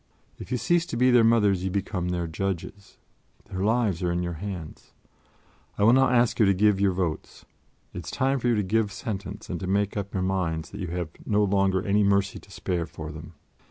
If you cease to be their mothers you become their judges; their lives are in your hands. I will now ask you to give your votes: it is time for you to give sentence and to make up your minds that you have no longer any mercy to spare for them.